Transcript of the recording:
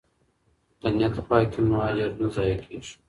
که نیت پاک وي نو اجر نه ضایع کیږي.